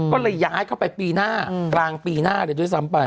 ก็เลยย้ายเข้าไปปีหน้ากลางปีหน้าเลยด้วยซ้ำไป